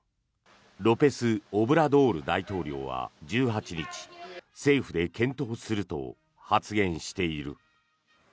ロペス・オブラドール大統領は１８日政府で検討すると発言している。